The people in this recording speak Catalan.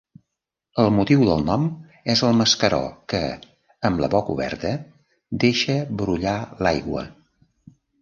El motiu del nom és el mascaró que, amb la boca oberta, deixa brollar l'aigua.